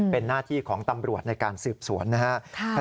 เป็นหน้าที่ของตำรวจในการสืบสวนนะครับ